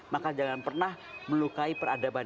maka jangan pernah melukai peradaban